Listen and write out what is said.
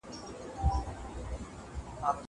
کېدای سي مينه پټه وي!!